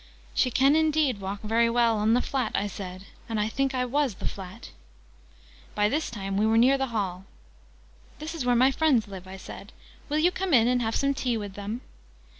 "She can indeed walk very well on the flat," I said. "And I think I was the Flat." By this time we were near the Hall. "This is where my friends live," I said. "Will you come in and have some tea with them?"